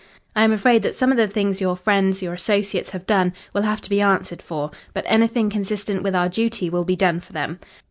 I am afraid that some of the things your fr , your associates, have done, will have to be answered for, but anything consistent with our duty will be done for them.